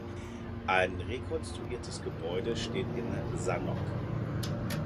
Ein rekonstruiertes Gebäude steht in Sanok.